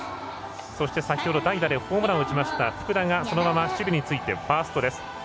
そして先ほど代打でホームランを打ちました福田がそのまま守備についてファースト。